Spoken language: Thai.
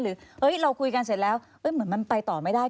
หรือเราคุยกันเสร็จแล้วเหมือนมันไปต่อไม่ได้